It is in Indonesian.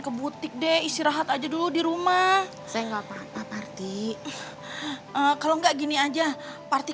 ke butik deh istirahat aja dulu di rumah saya nggak papa party kalau nggak gini aja party